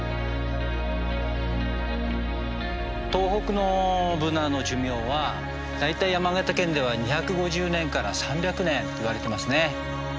東北のブナの寿命は大体山形県では２５０年から３００年といわれてますね。